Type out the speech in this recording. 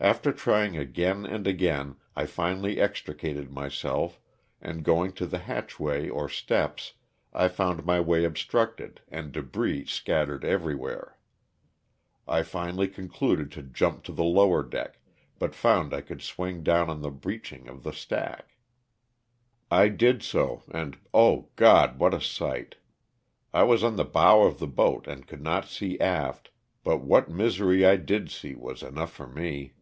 After trying again and again I finally extricated myself and, going to the hatchway or steps, I found my way obstructed and debris scattered every where. I finally concluded to jump to the lower deck, but found I could swing down on to the breeching of the stack. I did so, and Oh! God, what a sight. I was on the bow of the boat and could not see aft, but what misery I did see was enough for me.